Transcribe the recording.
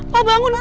pak bangun pak